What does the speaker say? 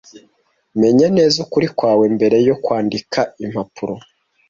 Menya neza ukuri kwawe mbere yo kwandika impapuro.